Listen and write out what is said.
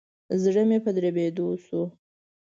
زړه مي په دربېدو شو.